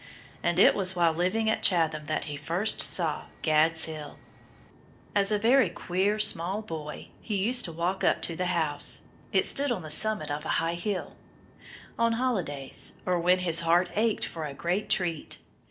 And it was while living at Chatham that he first saw "Gad's Hill." As a "very queer small boy" he used to walk up to the house—it stood on the summit of a high hill—on holidays, or when his heart ached for a "great treat."